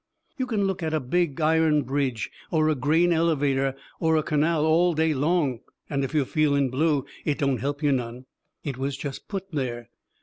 You can look at a big iron bridge or a grain elevator or a canal all day long, and if you're feeling blue it don't help you none. It was jest put there.